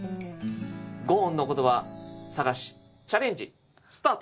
「五音」の言葉探しチャレンジスタート！